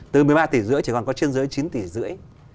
từ một mươi ba tỷ rưỡi chỉ còn có trên dưới chín tỷ rưỡi